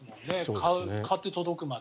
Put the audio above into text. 買って届くまで。